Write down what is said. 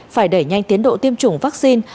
phải đẩy nhanh tiến độ tiêm chủng vaccine